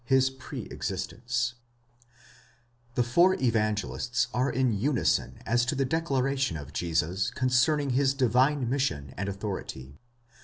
HIS PRE EXISTENCE, The four Evangelists are in unison as to the declaration of Jesus concerning his divine mission and authority.